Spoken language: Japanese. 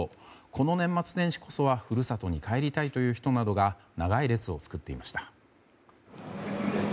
この年末年始こそは故郷に帰りたいという人などが長い列を作っていました。